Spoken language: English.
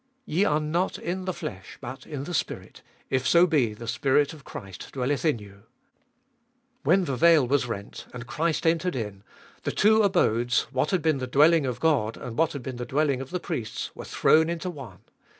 Ye are not in the flesh, but in the Spirit, if so be the Spirit of Christ dwelleth in you. When the veil was rent and Christ entered in, Ibolfest ot ail 293 the two abodes, what had been the dwelling of God, and what had been the dwelling of the priests, were thrown into one.